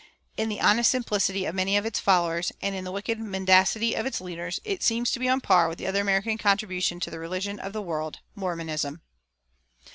In the honest simplicity of many of its followers, and in the wicked mendacity of its leaders, it seems to be on a par with the other American contribution to the religions of the world, Mormonism.